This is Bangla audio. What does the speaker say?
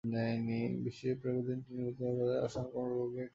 বিশ্বে প্রতি তিনটি মৃত্যুর মধ্যে দুটি মৃত্যু ঘটে অসংক্রামক রোগের কারণে।